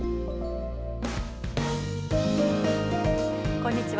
こんにちは。